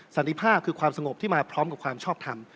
สันติภาพคือความสงบที่มาพร้อมกับความชอบทำ